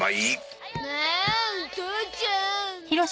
あん父ちゃん。